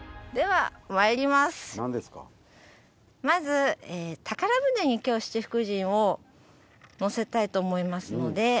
まず宝船に今日七福神を乗せたいと思いますので。